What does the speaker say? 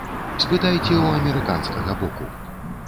Спытайце ў амерыканскага боку.